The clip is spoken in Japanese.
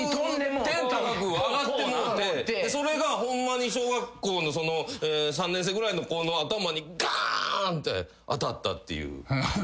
天高く上がってもうてそれが小学校の３年生ぐらいの子の頭にがーんって当たったっていう。